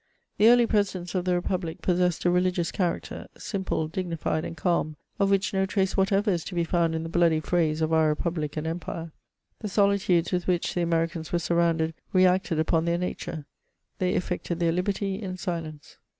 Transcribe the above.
The early presidents of the Republic possessed a religious character, simple, dignified, and calm, of which no trace whatever is to be found in the bloody frays of our Republic and empire. The solitudes with which the Americans were surrounded re acted upon their na ture ; they effected their liberty in silence.